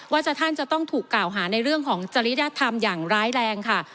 ท่านจะต้องถูกกล่าวหาในเรื่องของจริยธรรมอย่างร้ายแรงค่ะ